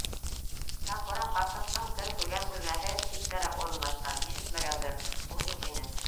Сафура ҡарсыҡтың көн күргән бүлмәһе ситтәрәк урынлашҡан, ишетмәгәндер, ул юҡ ине.